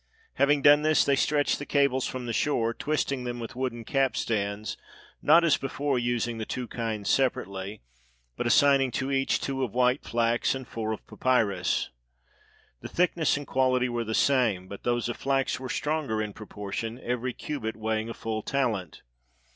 Having done this, they stretched the cables from the shore, twisting them with wooden capstans, not as before using the two kinds separately, but assign 354 XERXES SETS OUT TO CONQUER GREECE ing to each two of white flax and four of papyrus. The thickness and quahty were the same, but those of flax were stronger in proportion, every cubit weighing a full talent.